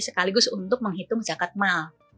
sekaligus untuk menghitung zakat mal